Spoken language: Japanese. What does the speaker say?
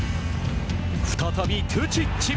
再びトゥチッチ。